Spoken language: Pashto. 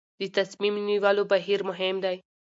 د تصمیم نیولو بهیر مهم دی